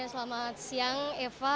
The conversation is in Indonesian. selamat siang eva